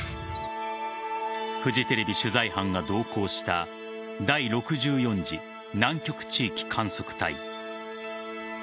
フジテレビ取材班が同行した第６４次南極地域観測隊。